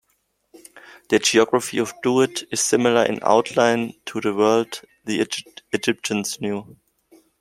The geography of "Duat" is similar in outline to the world the Egyptians knew.